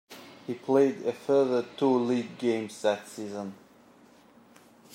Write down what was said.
He played a further two league games that season.